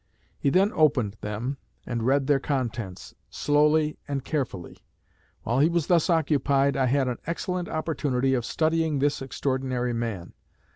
He then opened them, and read their contents, slowly and carefully. While he was thus occupied, I had an excellent opportunity of studying this extraordinary man.